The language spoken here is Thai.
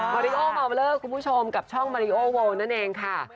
มาริโอเมาเลอร์คุณผู้ชมกับช่องมาริโอเวิลนั่นเองค่ะ